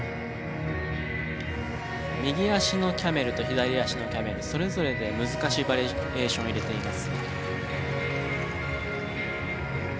右足のキャメルと左足のキャメルそれぞれで難しいバリエーションを入れています。